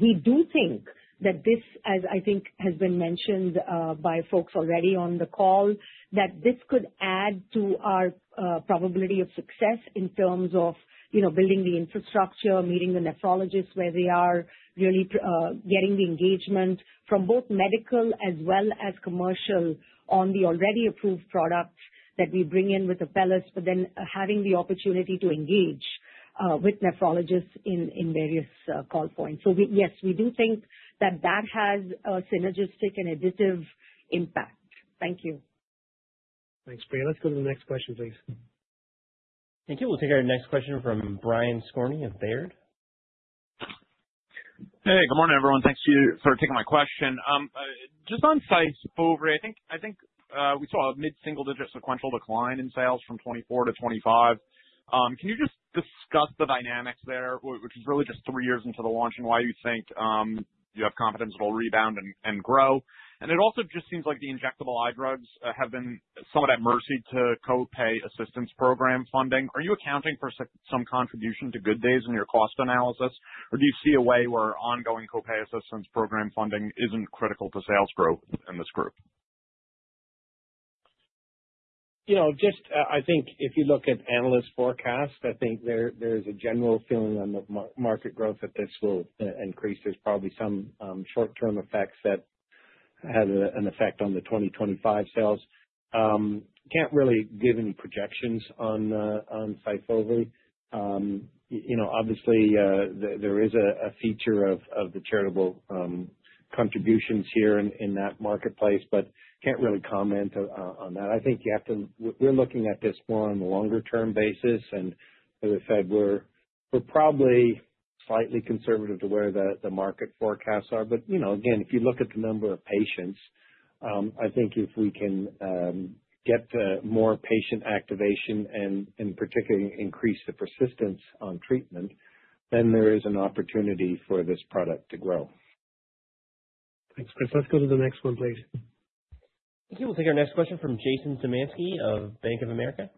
We do think that this, as I think has been mentioned by folks already on the call, that this could add to our probability of success in terms of building the infrastructure, meeting the nephrologists where they are, really getting the engagement from both medical as well as commercial on the already approved product that we bring in with Apellis, but then having the opportunity to engage with nephrologists in various call points. Yes, we do think that that has a synergistic and additive impact. Thank you. Thanks, Priya. Let's go to the next question, please. Thank you. We'll take our next question from Brian Skorney of Baird. Hey, good morning, everyone. Thanks for taking my question. Just on SYFOVRE, I think we saw a mid-single-digit sequential decline in sales from 2024 to 2025. Can you just discuss the dynamics there, which is really just three years into the launch, and why you think you have confidence it'll rebound and grow? It also just seems like the injectable eye drugs have been somewhat at mercy to co-pay assistance program funding. Are you accounting for some contribution to Good Days in your cost analysis? Or do you see a way where ongoing co-pay assistance program funding isn't critical to sales growth in this group? I think if you look at analyst forecasts, I think there is a general feeling on the market growth that this will increase. There's probably some short-term effects that had an effect on the 2025 sales. Can't really give any projections on SYFOVRE. Obviously, there is a feature of the charitable contributions here in that marketplace, but can't really comment on that. I think we're looking at this more on a longer-term basis. As I said, we're probably slightly conservative to where the market forecasts are. Again, if you look at the number of patients, I think if we can get to more patient activation and particularly increase the persistence on treatment, then there is an opportunity for this product to grow. Thanks, Chris. Let's go to the next one, please. Okay, we'll take our next question from Jason Zemansky of Bank of America.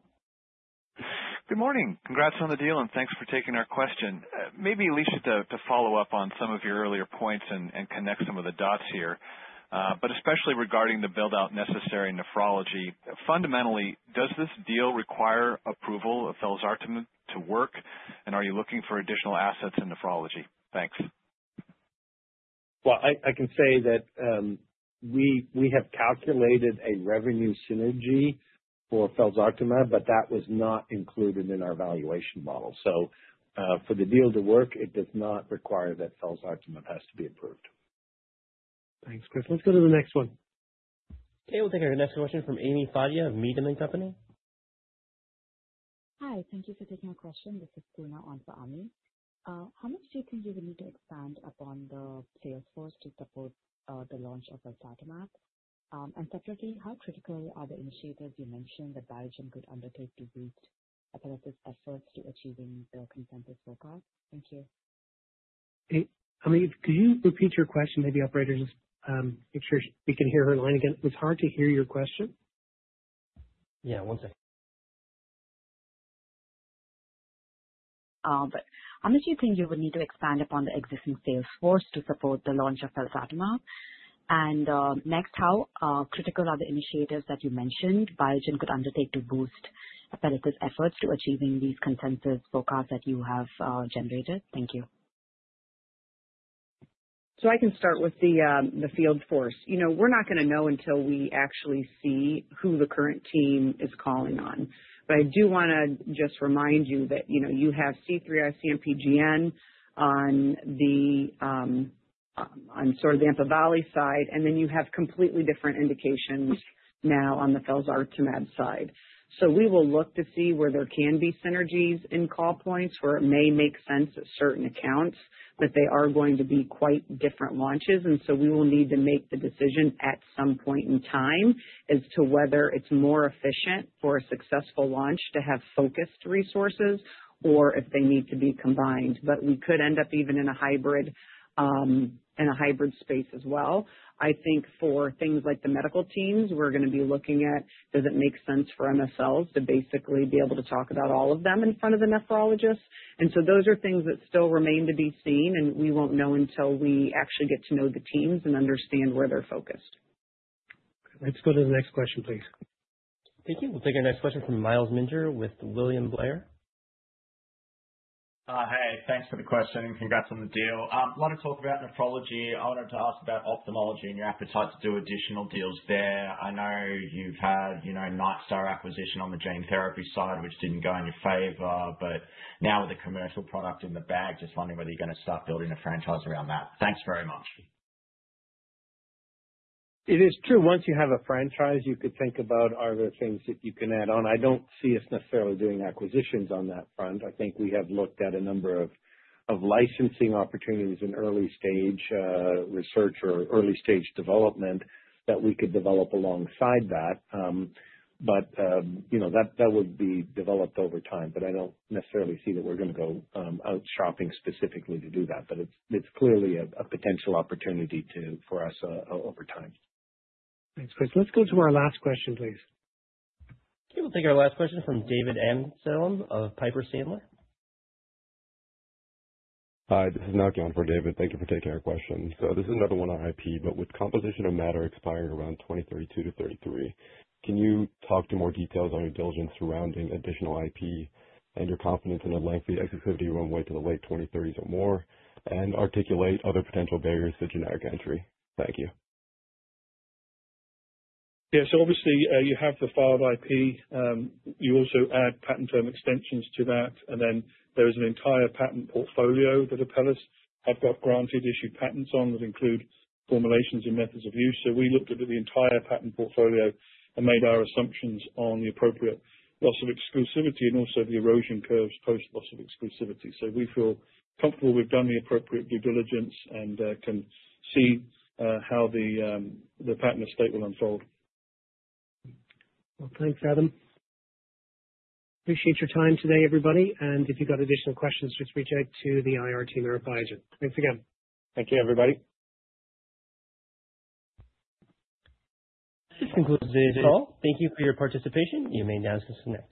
Good morning. Congrats on the deal, and thanks for taking our question. Maybe, Alicia, to follow up on some of your earlier points and connect some of the dots here. Especially regarding the build-out necessary in nephrology. Fundamentally, does this deal require approval of felzartamab to work? Are you looking for additional assets in nephrology? Thanks. I can say that we have calculated a revenue synergy for felzartamab, that was not included in our valuation model. For the deal to work, it does not require that felzartamab has to be approved. Thanks, Chris. Let's go to the next one. Okay, we'll take our next question from Ami Fadia of Mirae Asset. Hi. Thank you for taking my question. This is Tuna on for Ami. How much do you think you will need to expand upon the sales force to support the launch of felzartamab? Separately, how critical are the initiatives you mentioned that Biogen could undertake to boost Apellis' efforts to achieving the consensus forecast? Thank you. Ami, could you repeat your question? Maybe operator, just make sure we can hear her line again. It was hard to hear your question. Yeah, one second. How much do you think you will need to expand upon the existing sales force to support the launch of felzartamab? Next, how critical are the initiatives that you mentioned Biogen could undertake to boost Apellis' efforts to achieving these consensus forecasts that you have generated? Thank you. I can start with the field force. We're not going to know until we actually see who the current team is calling on. I do want to just remind you that you have C3G, IC-MPGN on sort of the EMPAVELI side, and then you have completely different indications now on the felzartamab side. We will look to see where there can be synergies in call points, where it may make sense at certain accounts, but they are going to be quite different launches. We will need to make the decision at some point in time as to whether it's more efficient for a successful launch to have focused resources or if they need to be combined. We could end up even in a hybrid space as well. I think for things like the medical teams, we're going to be looking at, does it make sense for MSLs to basically be able to talk about all of them in front of the nephrologists. Those are things that still remain to be seen, and we won't know until we actually get to know the teams and understand where they're focused. Let's go to the next question, please. Thank you. We'll take our next question from Myles Minter with William Blair. Hey, thanks for the question and congrats on the deal. Lot of talk about nephrology. I wanted to ask about ophthalmology and your appetite to do additional deals there. I know you've had Nightstar acquisition on the gene therapy side, which didn't go in your favor. Now with a commercial product in the bag, just wondering whether you're going to start building a franchise around that. Thanks very much. It is true. Once you have a franchise, you could think about other things that you can add on. I don't see us necessarily doing acquisitions on that front. I think we have looked at a number of licensing opportunities in early stage research or early stage development that we could develop alongside that. That would be developed over time. I don't necessarily see that we're going to go out shopping specifically to do that. It's clearly a potential opportunity for us over time. Thanks, Chris. Let's go to our last question, please. Okay. We'll take our last question from David Anselm of Piper Sandler. Hi, this is now John for David. Thank you for taking our question. This is another one on IP, but with composition of matter expiring around 2032-2033, can you talk to more details on your diligence surrounding additional IP and your confidence in a lengthy exclusivity runway to the late 2030s or more and articulate other potential barriers to generic entry? Thank you. Yeah. Obviously, you have the filed IP. You also add patent term extensions to that, and then there is an entire patent portfolio that Apellis have got granted issued patents on that include formulations and methods of use. We looked at the entire patent portfolio and made our assumptions on the appropriate loss of exclusivity and also the erosion curves post loss of exclusivity. We feel comfortable we've done the appropriate due diligence and can see how the patent estate will unfold. Well, thanks, Adam. Appreciate your time today, everybody, if you've got additional questions, just reach out to the IR team or advisor. Thanks again. Thank you, everybody. This concludes today's call. Thank you for your participation. You may now disconnect.